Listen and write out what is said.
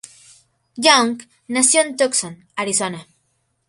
Young nació en Tucson, Arizona.